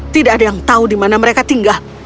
tidak ada yang tahu di mana mereka tinggal